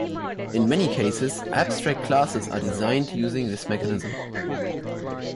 In many cases, abstract classes are designed using this mechanism.